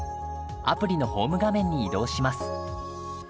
アプリのホーム画面に移動します。